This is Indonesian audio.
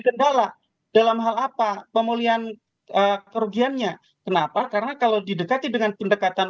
kendala dalam hal apa pemulihan kerugiannya kenapa karena kalau didekati dengan pendekatan